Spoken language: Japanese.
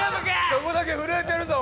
そこだけ震えてるぞ。